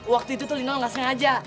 waktu itu tuh lino gak sengaja